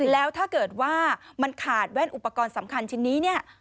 แล้วถ้าเกิดว่ามันขาดแว่นอุปกรณ์สำคัญชิ้นนี้เนี่ย